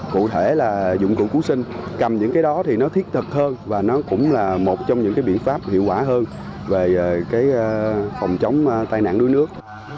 cụ thể là dụng cụ cứu sinh cầm những cái đó thì nó thiết thực hơn và nó cũng là một trong những cái biện pháp hiệu quả hơn về cái phòng chống tai nạn đuối nước